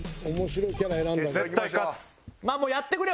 まあもうやってくれよ